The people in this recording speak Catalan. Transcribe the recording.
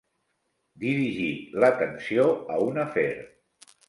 Dirigir l'atenció a un afer.